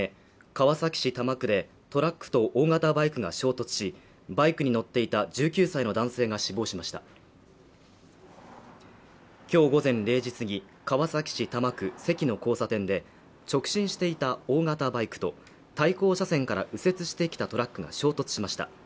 川崎市多摩区でトラックと大型バイクが衝突しバイクに乗っていた１９歳の男性が死亡しました今日午前０時過ぎ川崎市多摩区堰の交差点で直進していた大型バイクと対向車線から右折してきたトラックが衝突しました